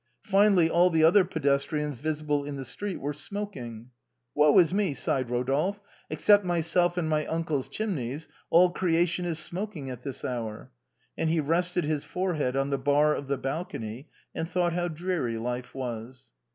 Finally, all the other pedestrians visible in the street were smoking. " Woe is me !" sighed Kodolphe :" except myself and my uncle's chimneys, all creation is smoking at this hour !" And he rested his forehead on the bar of the balcony, and thought how dreary life was.